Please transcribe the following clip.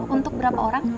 untuk berapa orang